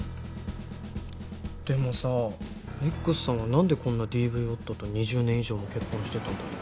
でもさＸさんは何でこんなＤＶ夫と２０年以上も結婚してたんだろ。